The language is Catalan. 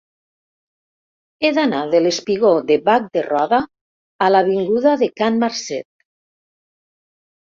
He d'anar del espigó de Bac de Roda a l'avinguda de Can Marcet.